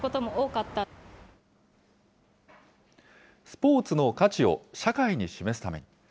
スポーツの価値を社会に示すために。